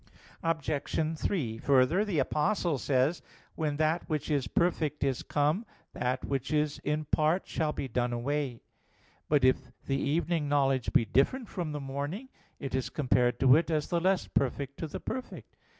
Obj. 3: Further, the Apostle says (1 Cor. 13:10): "When that which is perfect is come, then that which is in part shall be done away." But, if the evening knowledge be different from the morning, it is compared to it as the less perfect to the perfect.